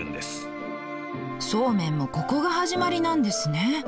そうめんもここが始まりなんですね。